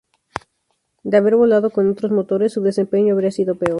De haber volado con otros motores, su desempeño habría sido peor.